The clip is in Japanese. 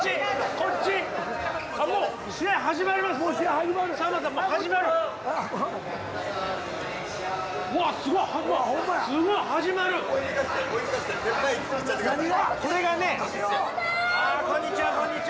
こんにちはこんにちは。